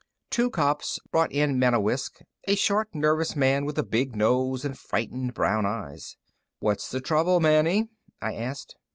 Two cops brought in Manewiscz, a short, nervous man with a big nose and frightened brown eyes. "What's the trouble, Manny?" I asked.